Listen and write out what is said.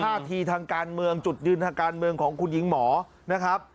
ท่าทีทางการเมืองจุดยืนทางการเมืองของคุณหญิงหมอนะครับ